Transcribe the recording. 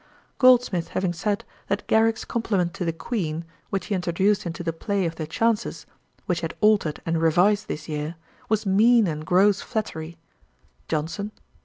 Goldsmith having said, that Garrick's compliment to the Queen, which he introduced into the play of The Chances, which he had altered and revised this year, was mean and gross flattery; JOHNSON.